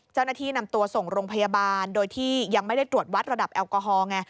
เจ้าหน้าที่นำตัวส่งโรงพยาบาลโดยที่ยังไม่ได้ตรวจวัดระดับแอลกอฮอลไง